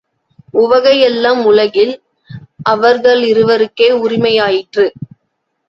உவகை யெல்லாம் உலகில் அவர்களிருவருக்கே உரிமை யாயிற்று.